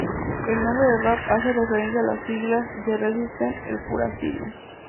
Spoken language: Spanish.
El nombre de raf hace referencia a las siglas de "Resistente al Fusarium".